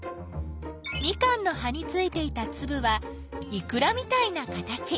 ミカンの葉についていたつぶはいくらみたいな形！